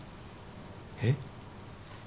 えっ？